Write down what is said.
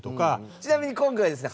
ちなみに今回ですね